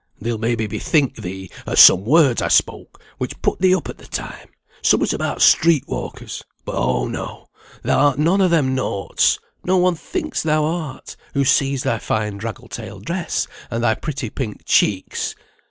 Thee'll may be bethink thee o' some words I spoke, which put thee up at th' time; summut about street walkers; but oh no! thou art none o' them naughts; no one thinks thou art, who sees thy fine draggle tailed dress, and thy pretty pink cheeks!"